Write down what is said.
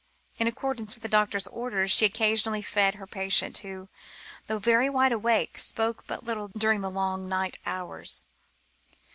In accordance with the doctor's orders, she occasionally fed her patient, who, though very wide awake, spoke but little during the long night hours.